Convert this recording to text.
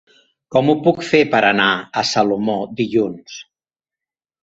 Com ho puc fer per anar a Salomó dilluns?